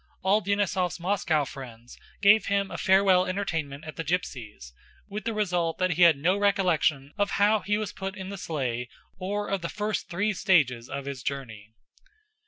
All Denísov's Moscow friends gave him a farewell entertainment at the gypsies', with the result that he had no recollection of how he was put in the sleigh or of the first three stages of his journey.